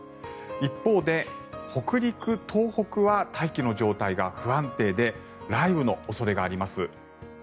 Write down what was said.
一方で、北陸、東北は大気の状態が不安定で雷雨の恐れがあります。